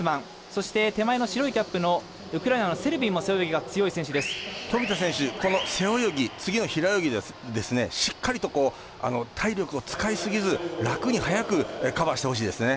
そして手前の白いキャップのウクライナのセルビンも富田選手、この背泳ぎ次の平泳ぎですねしっかりと体力を使いすぎず楽に早くカバーしてほしいですね。